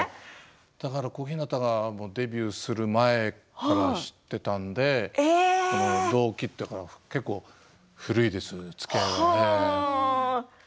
だから小日向がデビューする前から知っていたので同期というから古いです、つきあいが。